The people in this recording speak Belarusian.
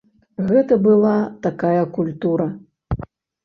Гэта была такая культура.